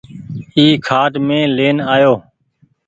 اي کآٽ مين لين آئو۔